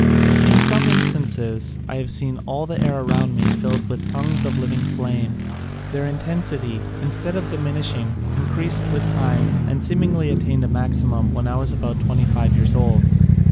In some instances I have seen all the air around me filled with tongues of living flame. Their intensity, instead of diminishing, increased with time and seem ingly attained a maximum when I was about twenty five years old.